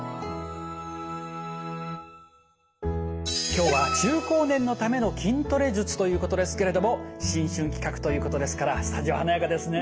今日は中高年のための筋トレ術ということですけれども新春企画ということですからスタジオ華やかですね。